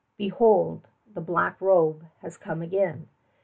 Behold, the Black Robe has come again!"